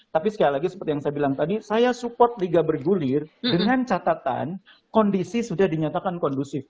tapi sekali lagi seperti yang saya bilang tadi saya support liga bergulir dengan catatan kondisi sudah dinyatakan kondusif